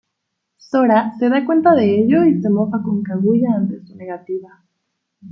Sora se da cuenta de ello y se mofa con Kaguya ante su negativa.